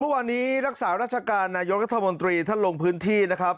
เมื่อวานนี้รักษาราชการนายกรัฐมนตรีท่านลงพื้นที่นะครับ